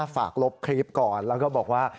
ลบคลิปก่อนแล้วก็บอกว่า